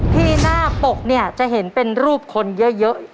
ที่หน้าปกเนี่ยจะเห็นเป็นรูปคนเยอะ